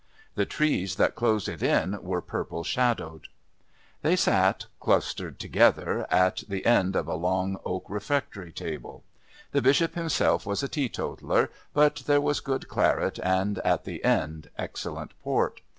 The trees that closed it in were purple shadowed. They sat, clustered together, at the end of a long oak refectory table. The Bishop himself was a teetotaler, but there was good claret and, at the end, excellent port.